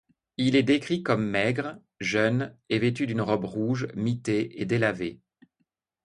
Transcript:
Il est décrit comme maigre, jeune et vêtu d'une robe rouge mitée et délavée.